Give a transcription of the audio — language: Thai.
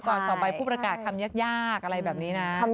ก่อนสอบไปพูดประกาศคำยากอะไรแบบนี้